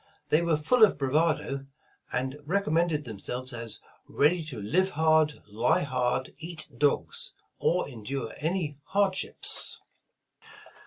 They were full of bravado and recommended themselves as ready "to live hard, lie hard, eat dogs," — or endure any hardships.